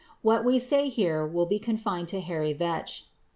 What we say here will be confined to hairy vetch.